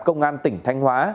công an tỉnh thanh hóa